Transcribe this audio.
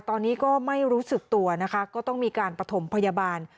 ตอนนี้ก็ไม่รู้สึกตัวนะคะก็ต้องมีการประถมพยาบาล